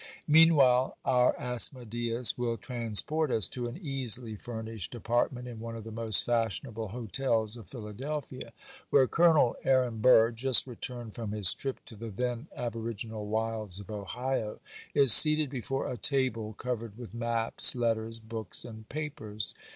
Meanwhile our Asmodeus will transport us to an easily furnished apartment in one of the most fashionable hotels of Philadelphia, where Col. Aaron Burr, just returned from his trip to the then aboriginal wilds of Ohio, is seated before a table covered with maps, letters, books, and papers.